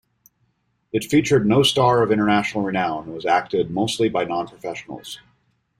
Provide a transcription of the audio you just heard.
It featured no star of international renown and was acted mostly by non-professionals.